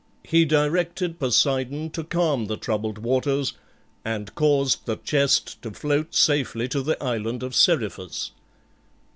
He directed Poseidon to calm the troubled waters, and caused the chest to float safely to the island of Seriphus.